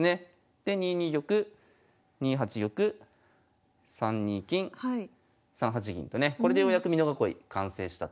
で２二玉２八玉３二金３八銀とねこれでようやく美濃囲い完成したと。